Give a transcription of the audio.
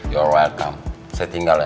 your welcome saya tinggal ya